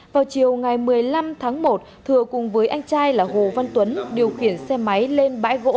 vào chiều ngày một mươi năm tháng một thừa cùng với anh trai là hồ văn tuấn điều khiển xe máy lên bãi gỗ